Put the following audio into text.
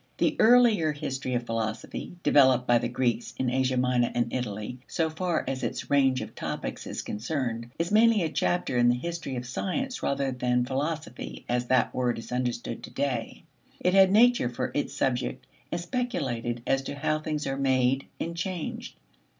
The earlier history of philosophy, developed by the Greeks in Asia Minor and Italy, so far as its range of topics is concerned, is mainly a chapter in the history of science rather than of philosophy as that word is understood to day. It had nature for its subject, and speculated as to how things are made and changed.